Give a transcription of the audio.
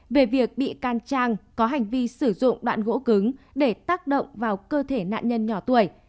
về việc bị can trang có hành vi sử dụng đoạn gỗ cứng để tác động vào cơ thể nạn nhân nhỏ tuổi